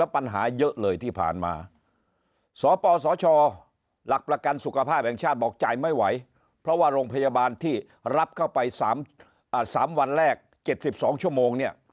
เพราะว่าโรงพยาบาลที่รับเข้าไป๓วันแรก๗๒ชั่วโมง